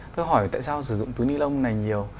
tôi hỏi tại sao sử dụng túi ni lông này nhiều